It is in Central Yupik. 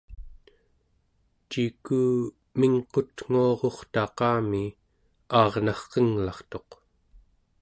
ciku mingqutnguarurtaqami aarnarqenglartuq